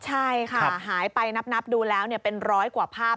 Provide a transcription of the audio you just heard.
ใช่ค่ะหายไปนับดูแล้วเป็นร้อยกว่าภาพ